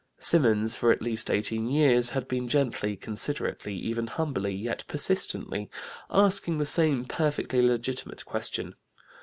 Symonds for at least eighteen years had been gently, considerately, even humbly, yet persistently, asking the same perfectly legitimate question.